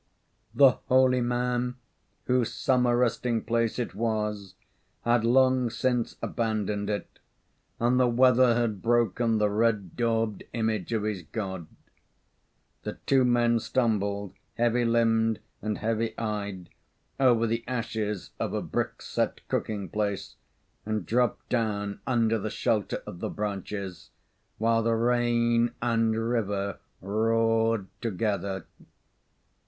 The holy man whose summer resting place it was had long since abandoned it, and the weather had broken the red daubed image of his god. The two men stumbled, heavy limbed and heavy eyed, over the ashes of a brick set cooking place, and dropped down under the shelter of the branches, while the rain and river roared together.